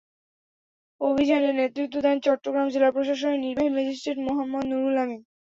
অভিযানে নেতৃত্ব দেন চট্টগ্রাম জেলা প্রশাসনের নির্বাহী ম্যাজিস্ট্রেট মোহাম্মদ রুহুল আমীন।